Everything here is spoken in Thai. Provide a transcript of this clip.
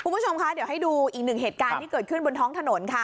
คุณผู้ชมคะเดี๋ยวให้ดูอีกหนึ่งเหตุการณ์ที่เกิดขึ้นบนท้องถนนค่ะ